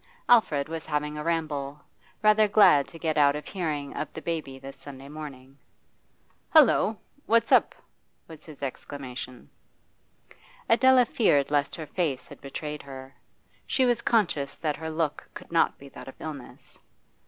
Alfred was having a ramble, rather glad to get out of hearing of the baby this Sunday morning. 'Hollo, what's up?' was his exclamation. Adela feared lest her face had betrayed her. She was conscious that her look could not be that of illness.